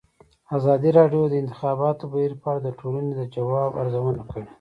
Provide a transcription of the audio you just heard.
ازادي راډیو د د انتخاباتو بهیر په اړه د ټولنې د ځواب ارزونه کړې.